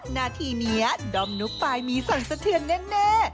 นาทีนี้ดอมนุ๊กปลายมีสั่นสะเทือนแน่